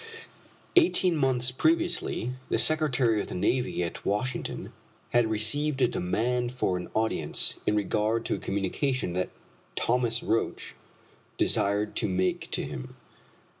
Eighteen months previously the Secretary of the Navy at Washington, had received a demand for an audience in regard to a communication that Thomas Roch desired to make to him.